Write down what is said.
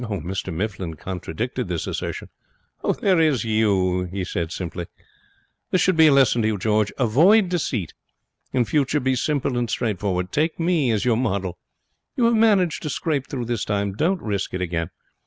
Mr Mifflin contradicted this assertion. 'There is you,' he said, simply. 'This should be a lesson to you, George. Avoid deceit. In future be simple and straightforward. Take me as your model. You have managed to scrape through this time. Don't risk it again.